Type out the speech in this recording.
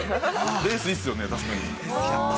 レースいいっすよね、確かに。